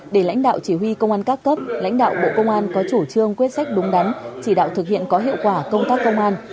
để lãnh đạo chỉ huy công an các cấp lãnh đạo bộ công an có chủ trương quyết sách đúng đắn chỉ đạo thực hiện có hiệu quả công tác công an